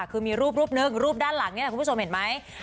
คือมีรูปนึกรูปด้านหลังนี่แหละคุณผู้ชมเห็นไหม